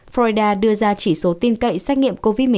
florida đưa ra chỉ số tin cậy xét nghiệm covid một mươi chín